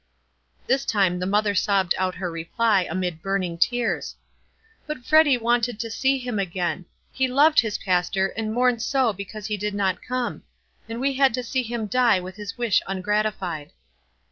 This time the mother sobbed out her reply, amid burning tears, — "But Freddy wanted to see him again. He loved his pastor, and mourned so because he did not come ; and we had to see him die with his wish ungratified."